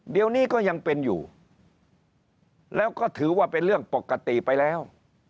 เดี๋ยวนี้ก็ยังเป็นอยู่แล้วก็ถือว่าเป็นเรื่องปกติไปแล้ว